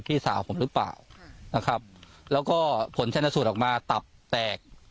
พี่สาวผมหรือเปล่านะครับแล้วก็ผลชนสูตรออกมาตับแตก